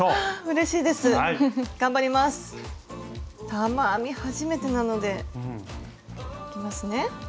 玉編み初めてなのでいきますね。